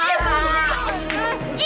ya ampun kak sair